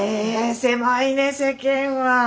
狭いね世間は。